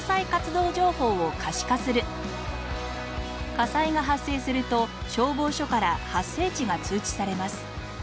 火災が発生すると消防署から発生地が通知されます。